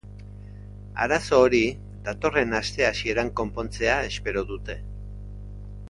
Arazo hori datorren aste hasieran konpontzea espero dute.